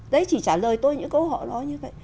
đấy chỉ trả lời tôi những câu hỏi đó như vậy